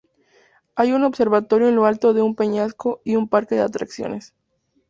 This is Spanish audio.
Hay un observatorio en lo alto de un peñasco y un parque de atracciones.